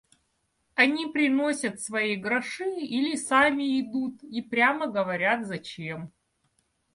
Они приносят свои гроши или сами идут и прямо говорят зачем.